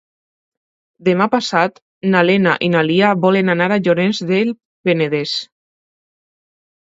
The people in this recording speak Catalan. Demà passat na Lena i na Lia volen anar a Llorenç del Penedès.